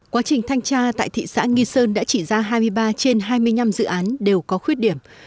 quá trình thanh tra tại thị xã nghi sơn đã chỉ ra hai mươi ba trên hai mươi năm dự án đều có khuyết điểm